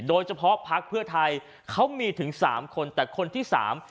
พักเพื่อไทยเขามีถึงสามคนแต่คนที่สาม